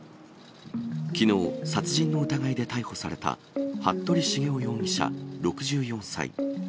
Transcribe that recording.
きのう、殺人の疑いで逮捕された服部繁雄容疑者６４歳。